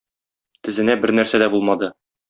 Тезенә бернәрсә дә булмады.